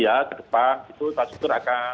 ya ke depan itu infrastruktur akan